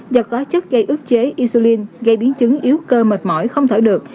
do có chất gây ức chế isulin gây biến chứng yếu cơ mệt mỏi không thở được